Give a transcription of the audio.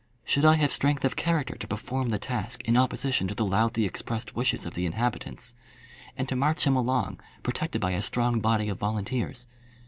Should I have strength of character to perform the task in opposition to the loudly expressed wishes of the inhabitants, and to march him along protected by a strong body of volunteers?